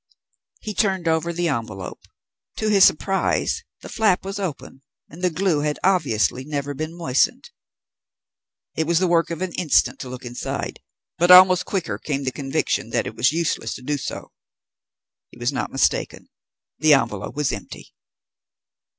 He turned over the envelope. To his surprise, the flap was open and the glue had obviously never been moistened. It was the work of an instant to look inside, but almost quicker came the conviction that it was useless to do so. He was not mistaken. The envelope was empty.